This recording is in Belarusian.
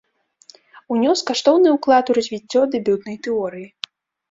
Унёс каштоўны ўклад у развіццё дэбютнай тэорыі.